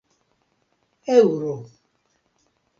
eŭro